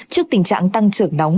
trước tình trạng tăng trưởng nóng